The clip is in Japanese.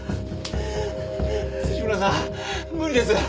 村さん無理です。